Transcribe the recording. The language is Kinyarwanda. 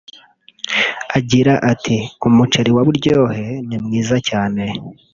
Agira ati “Umuceri wa Buryohe ni mwiza cyane